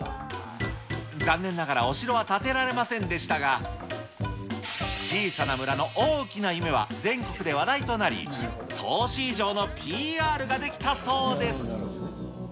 残念ながらお城は建てられませんでしたが、小さな村の大きな夢は全国で話題となり、投資以上のＰＲができたそうです。